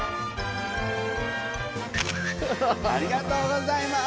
ありがとうございます！